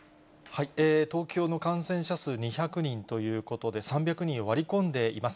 東京の感染者数２００人ということで、３００人を割り込んでいます。